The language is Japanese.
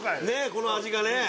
この味がね